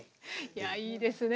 いやいいですね。